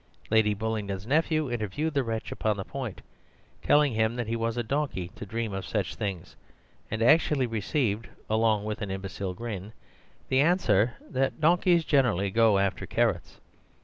Lady Bullingdon's nephew interviewed the wretch upon the point, telling him that he was a 'donkey' to dream of such a thing, and actually received, along with an imbecile grin, the answer that donkeys generally go after carrots.